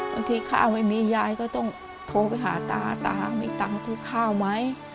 บางทีข้าว่าไม่มียายก็ต้องโทรไปหาตาตาไม่มีตังค์ทุกข้าวไหม